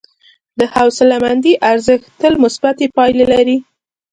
د حوصلهمندي ارزښت تل مثبتې پایلې لري.